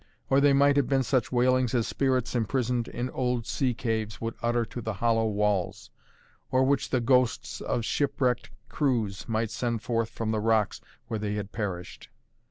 Or they might have been such wailings as spirits imprisoned in old sea caves would utter to the hollow walls, or which the ghosts of ship wrecked crews might send forth from the rocks where they had perished.